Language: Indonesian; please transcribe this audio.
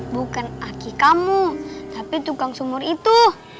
bukan aki kamu tapi tukang sumur itu